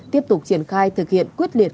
tiếp tục triển khai thực hiện quyết liệt